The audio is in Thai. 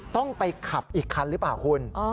ต้องไปขับอีกคันหรือเปล่าคุณ